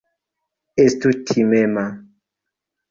Estu timema.